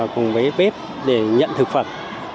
cùng với bếp để nhận thực phẩm